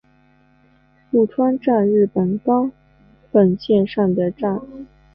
富川站日高本线上的站。